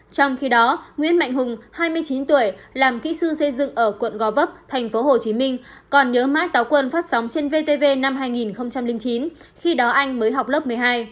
trong khi đó nguyễn mạnh hùng hai mươi chín tuổi làm kỹ sư xây dựng ở quận gò vấp tp hcm còn nhớ mãi táo quân phát sóng trên vtv năm hai nghìn chín khi đó anh mới học lớp một mươi hai